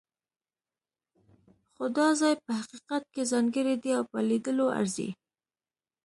خو دا ځای په حقیقت کې ځانګړی دی او په لیدلو ارزي.